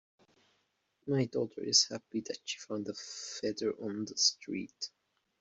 My daughter is happy that she found a feather on the street.